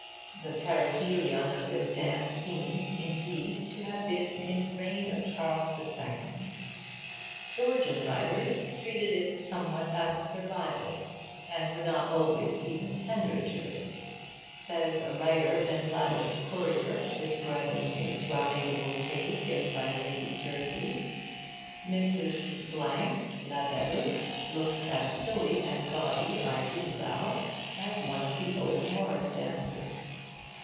The perihelion of this dance seems, indeed, to have been in the reign of Charles II. Georgian writers treated it somewhat as a survival, and were not always even tender to it. Says a writer in Bladud's Courier, describing a 'soire'e de beaute'' given by Lady Jersey, 'Mrs. (la belle) looked as silly and gaudy, I do vow, as one of the old Morris Dancers.'